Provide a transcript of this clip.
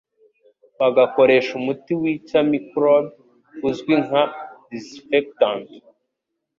bagakoresha umuti wica microbe uzwi nka desinfectant.